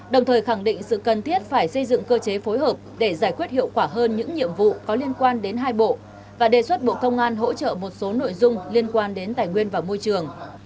đồng thời khẳng định sự cần thiết phải xây dựng cơ chế phối hợp để giải quyết hiệu quả hơn những nhiệm vụ có liên quan đến hai bộ và đề xuất bộ công an hỗ trợ một số nội dung liên quan đến tài nguyên và môi trường